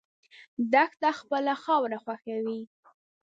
دښته خپله خاوره خوښوي.